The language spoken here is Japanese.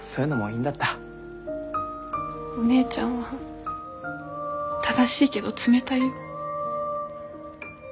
お姉ちゃんは正しいけど冷たいよ。